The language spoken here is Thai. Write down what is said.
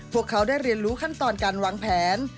พวกเขาได้เรียนรู้ขั้นตอนการวางแผน